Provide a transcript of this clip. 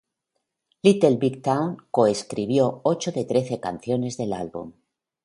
Little Big Town co-escribió ocho de trece canciones del álbum.